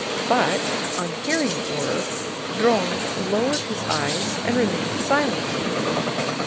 But on hearing the order Dron lowered his eyes and remained silent.